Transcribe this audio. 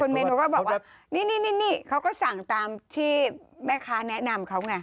เมนูก็บอกว่านี่เขาก็สั่งตามที่แม่ค้าแนะนำเขาไง